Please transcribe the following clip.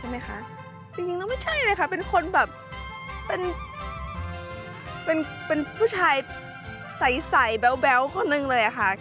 ไหมคะจริงแล้วไม่ใช่เลยค่ะเป็นคนแบบเป็นผู้ชายใสแบ๊วคนนึงเลยค่ะ